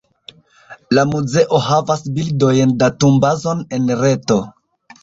La muzeo havas bildojn-datumbazon en reto.